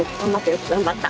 よく頑張った。